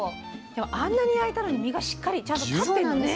でもあんなに焼いたのに実がしっかりちゃんと立ってんのね。